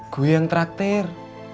gue yang traktir